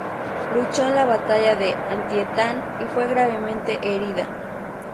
Luchó en la Batalla de Antietam y fue gravemente herida.